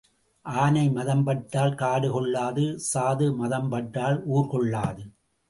ஆனை மதம் பட்டால் காடு கொள்ளாது சாது மதம் பட்டால் ஊர் கொள்ளாது.